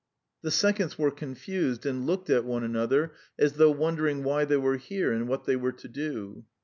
The seconds were confused, and looked at one another as though wondering why they were here and what they were to do.